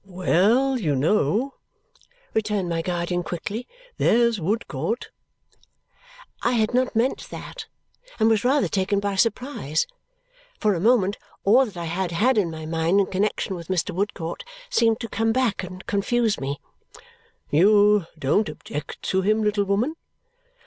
"Well, you know," returned my guardian quickly, "there's Woodcourt." I had not meant that, and was rather taken by surprise. For a moment all that I had had in my mind in connexion with Mr. Woodcourt seemed to come back and confuse me. "You don't object to him, little woman?"